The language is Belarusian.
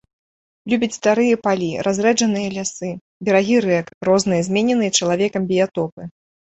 Любіць старыя палі, разрэджаныя лясы, берагі рэк, розныя змененыя чалавекам біятопы.